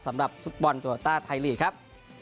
สำหรับศุษย์บอลจุธาไทยลีกครับ